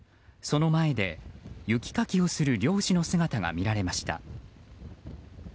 その前で雪かきをする漁師の姿が見られました。